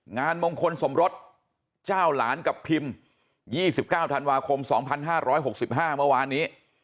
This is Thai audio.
งานมงคลสมรสเจ้าหลานกับพิม๒๙ธันวาคม๒๕๖๕เมื่อวานนี้